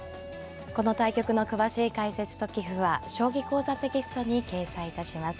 この対局の詳しい解説と棋譜は「将棋講座」テキストに掲載いたします。